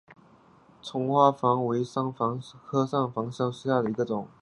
丛花山矾为山矾科山矾属下的一个种。